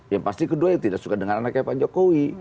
yang pasti kedua ya tidak suka dengan anak anak pak jokowi